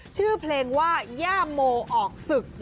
ชื่อเพลงว่าย่าโมออกศึก